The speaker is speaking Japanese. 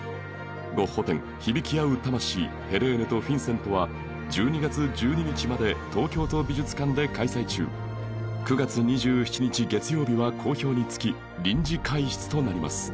「ゴッホ展響きあう魂ヘレーネとフィンセント」は１２月１２日まで東京都美術館で開催中９月２７日月曜日は好評につき臨時開室となります